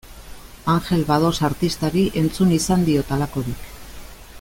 Angel Bados artistari entzun izan diot halakorik.